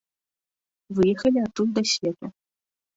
Выехалі адтуль да свету.